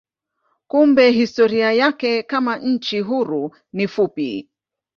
Kumbe historia yake kama nchi huru ni fupi.